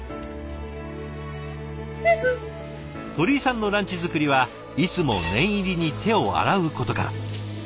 鳥居さんのランチ作りはいつも念入りに手を洗うことから。